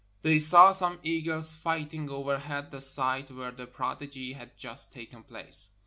They saw some eagles fighting overhead the site where the prodigy had just taken place.